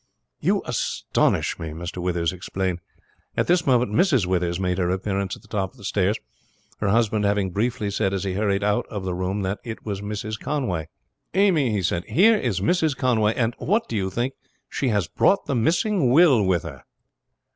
"You astound me!" Mr. Withers exclaimed. At this moment Mrs. Withers made her appearance at the top of the stairs, her husband having briefly said as he hurried out of the room that it was Mrs. Conway. "Amy," he said, "here is Mrs. Conway. And, what do you think? she has brought the missing will with her."